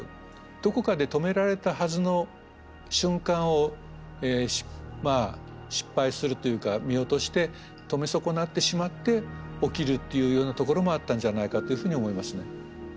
どこかで止められたはずの瞬間をまあ失敗するというか見落として止め損なってしまって起きるというようなところもあったんじゃないかというふうに思いますね。